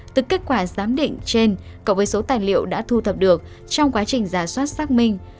từ kết quả giám định trên cộng với số tài liệu đã thu thập được trong quá trình giả soát xác minh